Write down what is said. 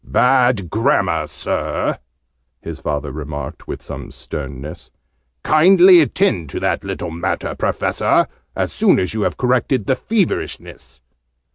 "Bad grammar, Sir!" his father remarked with some sternness. "Kindly attend to that little matter, Professor, as soon as you have corrected the feverishness.